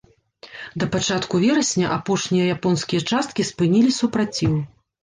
Да пачатку верасня апошнія японскія часткі спынілі супраціў.